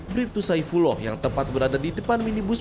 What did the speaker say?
brip tusaifullah yang tepat berada di depan minibus